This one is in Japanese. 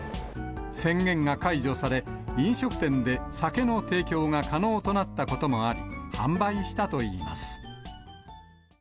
宣言が解除され、飲食店で酒の提供が可能となったこともあり、販売したといいます。